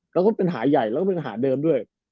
แล้วก็ปัญหาใหญ่แล้วก็เป็นปัญหาเดิมด้วย